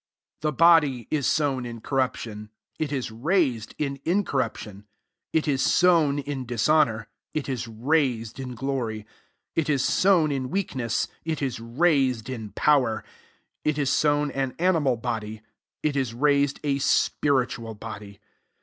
The body is sown in corrup tion,! it is raised in incorrap tion : 43 it is sown in dtshonoar, it is raised in glory : it is sown in weakness, it is raised io power : 44 it is sown an ani mal body, it is raised a spiritoal body.